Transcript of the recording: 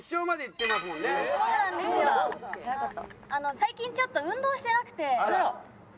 最近ちょっと運動してなくて。